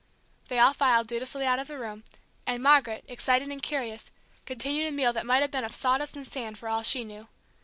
They all filed dutifully out of the room, and Margaret, excited and curious, continued a meal that might have been of sawdust and sand for all she knew.